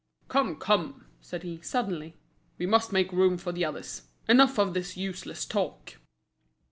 "Come, come!" said he, suddenly, "we must make room for the others. Enough of this useless talk!"